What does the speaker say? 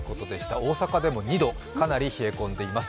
大阪でも２度かなり冷え込んでいます。